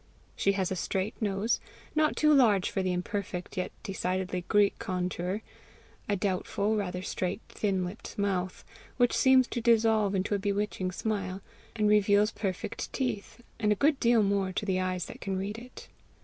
She has a straight nose, not too large for the imperfect yet decidedly Greek contour; a doubtful, rather straight, thin lipped mouth, which seems to dissolve into a bewitching smile, and reveals perfect teeth and a good deal more to the eyes that can read it.